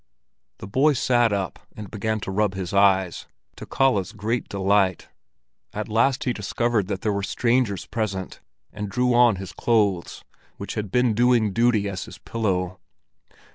The boy sat up and began to rub his eyes, to Kalle's great delight. At last he discovered that there were strangers present, and drew on his clothes, which had been doing duty as his pillow.